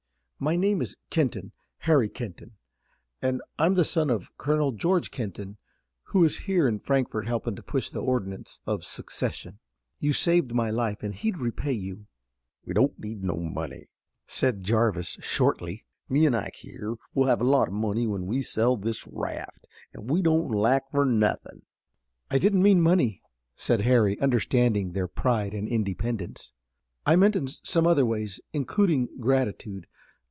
My name is Kenton, Harry Kenton, and I'm the son of Colonel George Kenton, who is here in Frankfort helping to push the ordinance of secession. You've saved my life and he'd repay you." "We don't need no money," said Jarvis shortly. "Me an' Ike here will have a lot of money when we sell this raft, and we don't lack for nothin'." "I didn't mean money," said Harry, understanding their pride and independence. "I meant in some other ways, including gratitude.